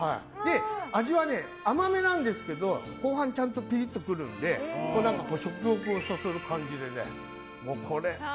味は甘めなんですけど後半はちゃんとピリッと来て食欲をそそる感じで。